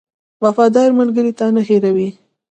• وفادار ملګری تا نه هېروي.